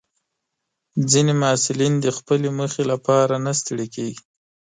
ځینې محصلین د خپلې موخې لپاره نه ستړي کېږي.